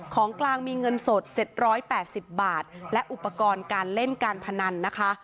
ของกลางมีเงินสดเจ็ดร้อยแปดสิบบาทและอุปกรณ์การเล่นการพนันนะคะ